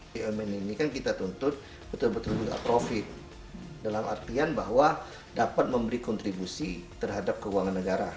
bumn ini kan kita tuntut betul betul juga profit dalam artian bahwa dapat memberi kontribusi terhadap keuangan negara